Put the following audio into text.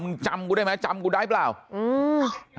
จำกูได้ไหมจำกูได้เปล่าอืม